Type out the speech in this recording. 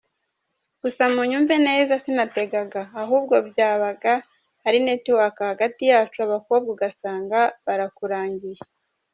Gusa munyumve neza sinategaga, ahubwo byabaga ari network hagati yacu abakobwa ugasanga barakurangiye.